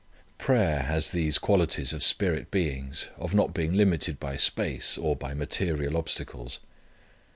Prayer has these qualities of spirit beings of not being limited by space, or by material obstacles.